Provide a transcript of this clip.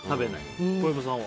小籔さんは？